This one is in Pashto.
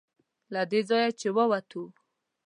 له دې ځایه چې ووتو.